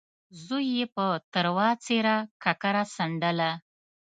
زوی يې په تروه څېره ککره څنډله.